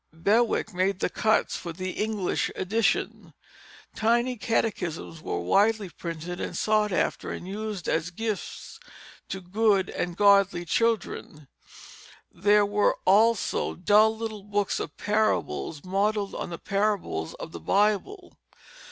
Bewick made the cuts for the English edition. Tiny catechisms were widely printed and sought after, and used as gifts to good and godly children. There were also dull little books of parables, modelled on the parables of the Bible.